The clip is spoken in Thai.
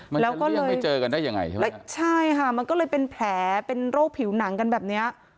แล้วก็ยังไม่เจอกันได้ยังไงใช่ไหมใช่ค่ะมันก็เลยเป็นแผลเป็นโรคผิวหนังกันแบบเนี้ย